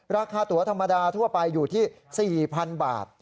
ราคาตัวธรรมดาทั่วไปอยู่ที่๔๐๐๐บาท